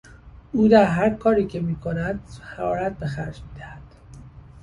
او در هر کاری که میکند حرارت به خرج میدهد.